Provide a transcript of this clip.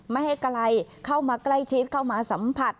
ไม่ให้ไกลเข้ามาใกล้ชิดเข้ามาสัมผัส